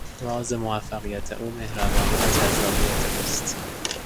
راز موفقیت او مهربانی و جذابیت اوست.